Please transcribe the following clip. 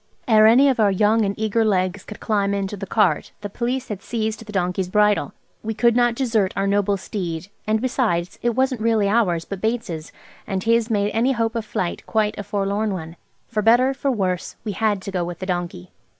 Ere any of our young and eager legs could climb into the cart the Police had seized the donkey's bridle. We could not desert our noble steed–and besides, it wasn't really ours, but Bates's, and this made any hope of flight quite a forlorn one. For better, for worse, we had to go with the donkey.